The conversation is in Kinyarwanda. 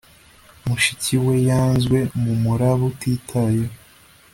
mushiki we, yanzwe numuraba utitayeho